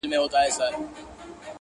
راځه رحچيږه بيا په قهر راته جام دی پير.